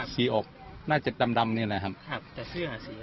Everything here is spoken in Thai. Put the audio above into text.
สีออกหน้าเจ็บดำดำเนี้ยแหละครับครับแต่เสื้ออะไร